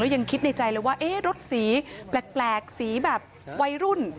ยังคิดในใจเลยว่ารถสีแปลกสีแบบวัยรุ่น